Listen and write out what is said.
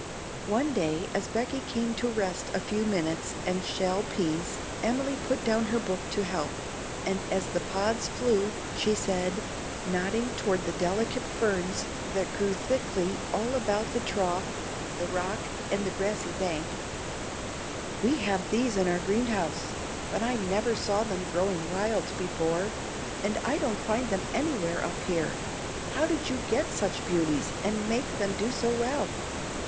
One day as Becky came to rest a few minutes and shell peas, Emily put down her book to help; and as the pods flew, she said, nodding toward the delicate ferns that grew thickly all about the trough, the rock, and the grassy bank, "We have these in our greenhouse, but I never saw them growing wild before, and I don't find them anywhere up here. How did you get such beauties, and make them do so well?"